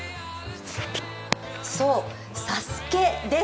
そう、「ＳＡＳＵＫＥ」です。